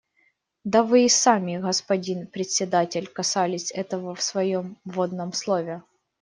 Да вы и сами, господин Председатель, касались этого в своем вводном слове.